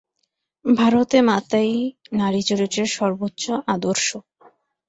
ভারতে মাতাই নারী-চরিত্রের সর্বোচ্চ আদর্শ।